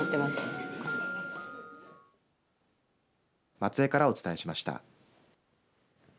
松江からお伝えしました。